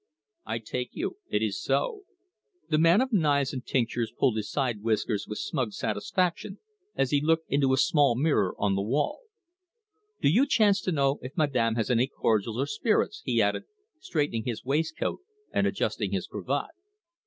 "I take you. It is so." The man of knives and tinctures pulled his side whiskers with smug satisfaction as he looked into a small mirror on the wall. "Do you chance to know if madame has any cordials or spirits?" he added, straightening his waistcoat and adjusting his cravat.